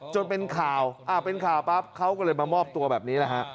จนเป็นข่าวเป็นข่าวปั๊บเขาก็เลยมามอบตัวแบบนี้แหละฮะ